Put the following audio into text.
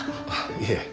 いえ。